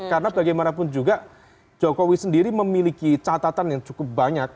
karena bagaimanapun juga jokowi sendiri memiliki catatan yang cukup banyak